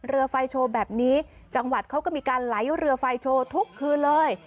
เรือไฟโชว์แบบนี้จังหวัดเขาก็มีการไหลเรือไฟโชว์ทุกคืนเลย